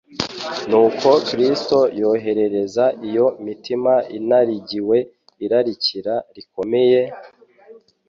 Nuko Kristo yoherereza iyo mitima inarigiwe irarika rikomeye,